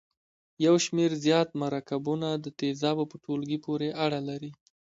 یو شمیر زیات مرکبونه د تیزابو په ټولګي پورې اړه لري.